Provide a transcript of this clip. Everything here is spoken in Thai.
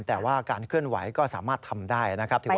แต่ว่าการเคลื่อนไหวก็สามารถทำได้นะครับ